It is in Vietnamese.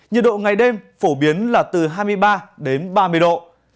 nhiệt độ ngày đêm phổ biến là từ hai mươi ba đến ba mươi độ